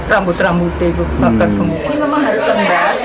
rambut rambutnya itu terbakar semua